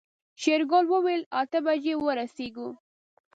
شېرګل وويل اته بجې ورسيږو.